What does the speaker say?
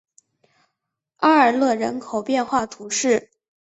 阿尔勒人口变化图示